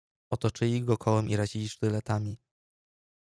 "Otoczyli go kołem i razili sztyletami."